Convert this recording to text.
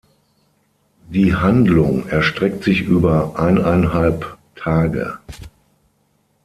Die Handlung erstreckt sich über eineinhalb Tage.